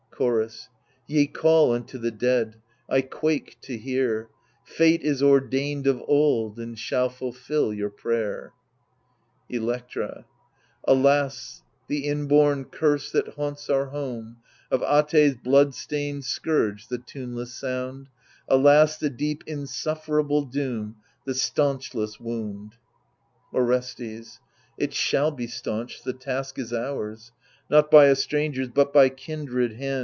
Chorus Ye call unto the dead ; I quake to hear. Fate is ordained of old, and shall fulfil your prayer. Electra Alas, the inborn curse that haunts our home, Of At^s bloodstained scourge the tuneless sound I Alas, the deep insufferable doom, The stanchless wound I Orestes It shall be stanched, the task is ours, — Not by a stranger's, but by kindred hand.